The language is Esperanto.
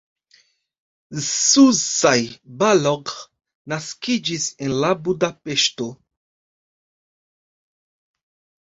Zsuzsa Balogh naskiĝis la en Budapeŝto.